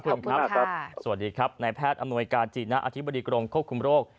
สวัสดีครับนายแพทย์อำนวยกาจิณะอธิบดีกรมควบคุมโรค